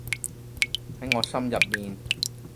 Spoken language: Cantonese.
喺我心入面